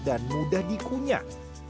dan mudah dikunyah